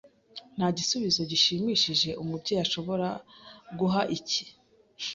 Nta gisubizo gishimishije umubyeyi ashobora guha iki